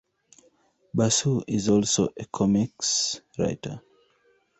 Basu is also a comics writer.